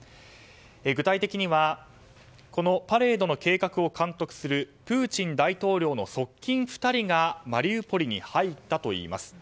具体的にはこのパレードの計画を監督するプーチン大統領の側近２人がマリウポリに入ったといいます。